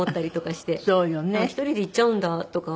１人で行っちゃうんだとか。